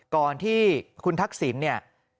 ก่อนที่คุณทักษิณเนี่ย